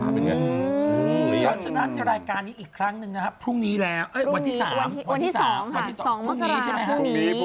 แล้วฉะนั้นรายการนี้อีกครั้งหนึ่งนะครับพรุ่งนี้แหละวันที่๒ภูมิ